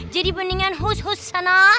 jadi mendingan hush hush sana